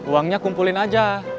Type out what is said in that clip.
uangnya kumpulin aja